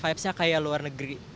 vibesnya kayak luar negeri